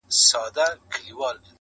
بې پروا یم له رویباره، بې خبره له نګاره٫